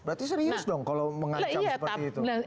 berarti serius dong kalau mengancam seperti itu